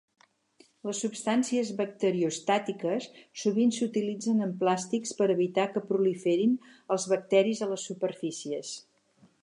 Les substàncies bacteriostàtiques sovint s'utilitzen en plàstics per evitar que proliferin els bacteris a les superfícies.